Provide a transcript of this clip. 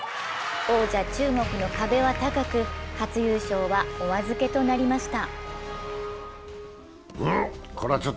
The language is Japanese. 王者・中国の壁は高く初優勝はお預けとなりました。